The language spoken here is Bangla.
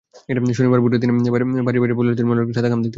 শনিবার ভোরে তিনি বাড়ির বাইরে পলিথিনে মোড়ানো একটি সাদা খাম দেখতে পান।